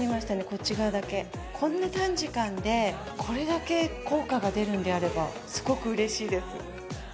こっち側だけこんな短時間でこれだけ効果が出るんであればすごくうれしいです